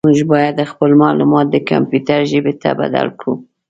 موږ باید خپل معلومات د کمپیوټر ژبې ته بدل کړو.